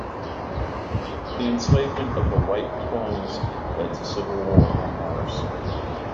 The enslavement of the white clones led to the civil war on Mars.